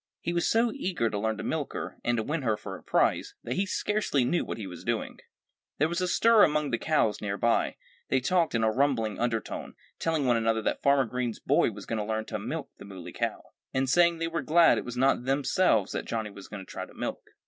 He was so eager to learn to milk her, and to win her for a prize, that he scarcely knew what he was doing. There was a stir among the cows nearby. They talked in a rumbling undertone, telling one another that Farmer Green's boy was going to learn to milk the Muley Cow and saying they were glad it was not themselves that Johnnie was going to try to milk.